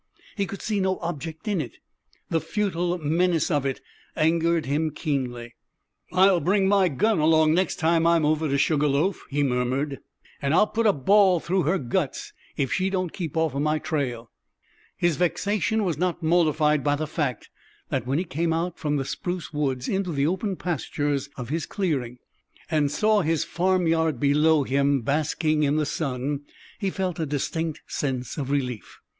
He could see no object in it. The futile menace of it angered him keenly. "I'll bring my gun along next time I'm over to Sugar Loaf," he murmured, "an' I'll put a ball through her guts if she don't keep off my trail!" His vexation was not mollified by the fact that, when he came out from the spruce woods into the open pastures of his clearing, and saw his farmyard below him basking in the sun, he felt a distinct sense of relief.